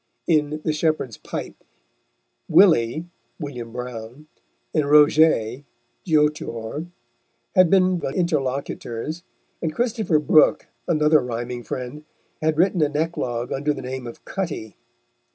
In the Shepherd's Pipe Willy (William Browne) and Roget (Geo t r) had been the interlocutors, and Christopher Brooke, another rhyming friend, had written an eclogue under the name of Cutty.